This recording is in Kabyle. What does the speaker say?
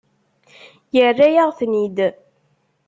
Yerra-yaɣ-ten-id.